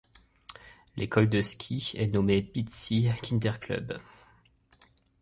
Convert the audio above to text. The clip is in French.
L’école de ski est nommée Pitzi’s Kinderclub.